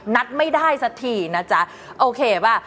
นัดไม่ได้สักทีนะจ๊ะโอเคป่ะ